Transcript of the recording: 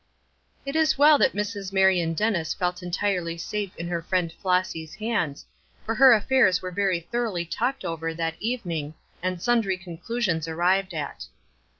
It is well that Mrs. Marion Dennis felt entirely safe in her friend Flossy's hands, for her affairs were very thoroughly talked over that evening, and sundry conclusions arrived at.